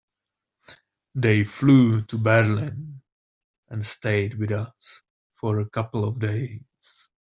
They flew to Berlin and stayed with us for a couple of days.